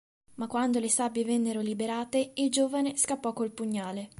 Ma quando le Sabbie vennero liberate, il giovane scappò col Pugnale.